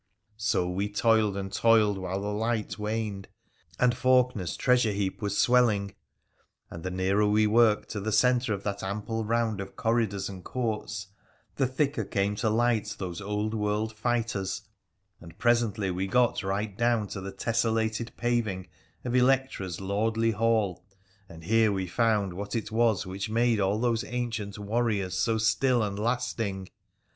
So we toiled, and toiled, while the light waned, and Faulkener's treasure heap was swelling. And the nearer we worked to the centre of that ample round of corridors and courts the thicker came to light those old world fighters, and presently we got right down to the tessellated paving of Electra's lordly hall, and here we found what it was which made all these ancient warriors so still and lasting.